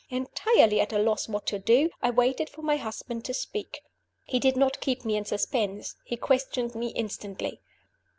Entirely at a loss what to do, I waited for my husband to speak. He did not keep me in suspense he questioned me instantly.